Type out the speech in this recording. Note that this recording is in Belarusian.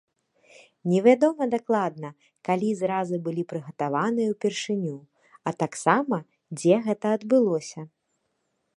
Невядома дакладна, калі зразы былі прыгатаваныя ўпершыню, а таксама дзе гэта адбылося.